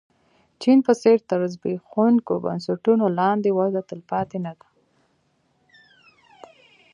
چین په څېر تر زبېښونکو بنسټونو لاندې وده تلپاتې نه ده.